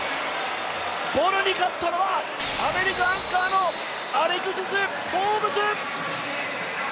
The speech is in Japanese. ボルに勝ったのはアメリカ・アンカーのアレクシス・ホームズ！